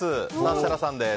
設楽さんです。